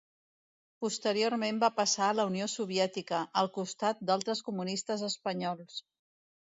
Posteriorment va passar a la Unió Soviètica, al costat d'altres comunistes espanyols.